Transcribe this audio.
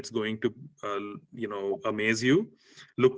ada waktu yang akan membuat anda terkejut